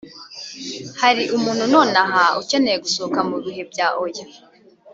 Hari umuntu nonaha ukeneye gusohoka mu bihe bya oya